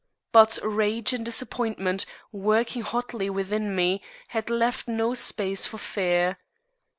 But rage and disappointment, working hotly within me, had left no space for fear.